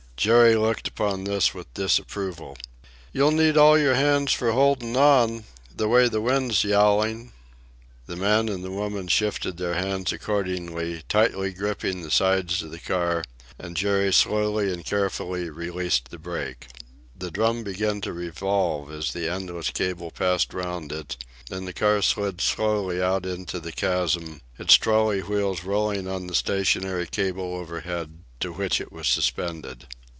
Jerry looked upon this with disapproval. "You'll need all your hands for holdin' on, the way the wind's yowlin.'" The man and the woman shifted their hands accordingly, tightly gripping the sides of the car, and Jerry slowly and carefully released the brake. The drum began to revolve as the endless cable passed round it, and the car slid slowly out into the chasm, its trolley wheels rolling on the stationary cable overhead, to which it was suspended.